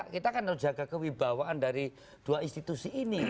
kita kan harus jaga kewibawaan dari dua institusi ini